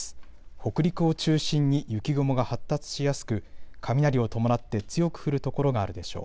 北陸を中心に雪雲が発達しやすく雷を伴って強く降る所があるでしょう。